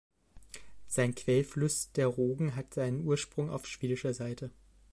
Sein Quellfluss, der Rogen, hat seinen Ursprung auf schwedischer Seite.